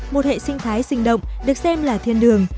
một hệ sinh thái sinh động được xem là thiên đường